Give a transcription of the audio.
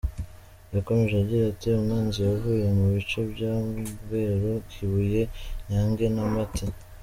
Yakomeje agira ati « Umwanzi yavuye mu bice bya Bweru, Kibuye, Nyange na Mpati.